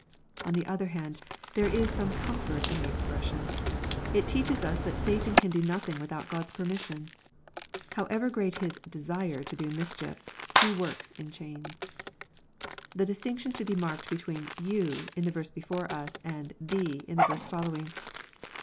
On the other hand, there is some comfort in tlie expression. It teaches us that Satan can do nothing without Grod's permission. However great his " desire" to do mischief, he works in chains. The distinction should be marked between *' you" in the versa before us and "thee" in the verse following.